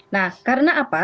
nah karena apa